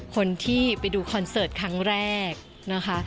คนที่ไปดูคอนเสิร์ตครั้งแรกนะคะ